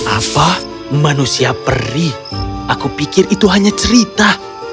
apa manusia perih aku pikir itu hanya cerita